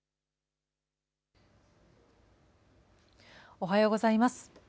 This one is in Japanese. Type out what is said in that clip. おはようございます。